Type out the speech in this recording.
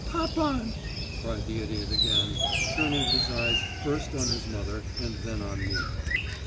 "'Papan!' cried the idiot again, turning his eyes first on his mother and then on me.